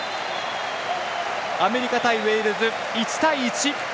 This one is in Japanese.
アメリカ対ウェールズ１対１。